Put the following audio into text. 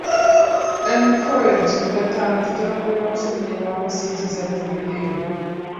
Emikolo gi mugattabantu gyakolebea okusonderako ssente za jubileewo